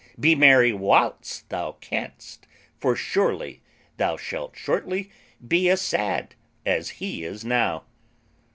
Be merry while thou canst: for surely thou Shalt shortly be as sad as he is now.